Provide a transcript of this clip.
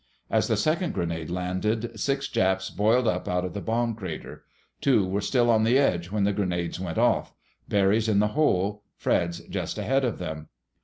As the second grenade landed six Japs boiled up out of the bomb crater. Two were still on the edge when the grenades went off—Barry's in the hole; Fred's just ahead of them.